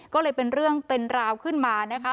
ก็เลยเป็นเรื่องเป็นราวขึ้นมานะคะ